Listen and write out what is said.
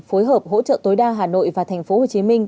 phối hợp hỗ trợ tối đa hà nội và thành phố hồ chí minh